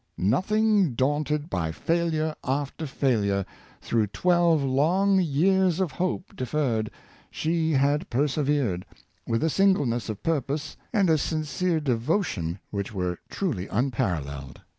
'' Nothing daunted by failure after failure, through twelve long years of hope deferred, she had persevered, with a sin gleness of purpose and a sincere devotion which were truly unparalleled.